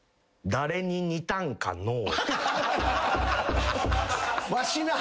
「誰に似たんかのう？」